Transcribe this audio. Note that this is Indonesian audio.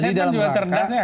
ya di dalam maka